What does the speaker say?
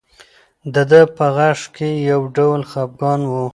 د ده په غږ کې یو ډول خپګان و.